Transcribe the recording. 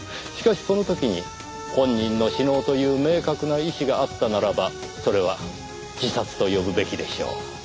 しかしその時に本人の死のうという明確な意思があったならばそれは自殺と呼ぶべきでしょう。